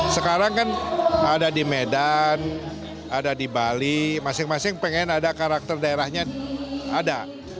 sekarang kan ada di medan ada di bali masing masing pengen ada karakter daerahnya ada